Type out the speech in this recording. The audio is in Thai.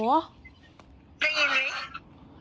หนูร้องไห้อยู่เหรอเนี่ย